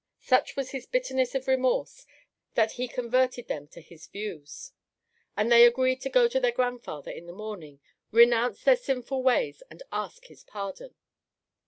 Such was his bitterness of remorse that he converted them to his views, and they agreed to go to their grandfather in the morning, renounce their sinful ways and ask his pardon.